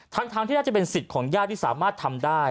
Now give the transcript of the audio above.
ทั้งที่น่าจะเป็นสิทธิ์ของญาติที่สามารถทำได้